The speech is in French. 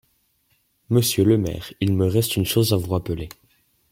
Monsieur le maire, il me reste une chose à vous rappeler.